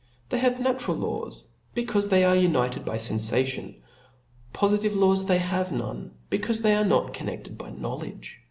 They have natural laws, be caufe they ^re united by fenfation ; pofitive laws they have none, becaufe they are not connedled by knowledge.